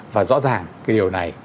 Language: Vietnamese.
và rõ ràng cái điều này